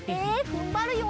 ふんばるよ。